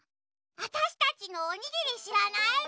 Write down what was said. わたしたちのおにぎりしらない？